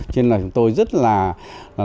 cho nên là chúng tôi rất là